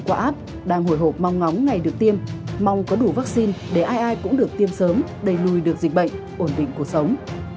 qua app đang hồi hộp mong ngóng ngày được tiêm mong có đủ vaccine để ai ai cũng được tiêm sớm đầy lùi được dịch bệnh ổn định cuộc sống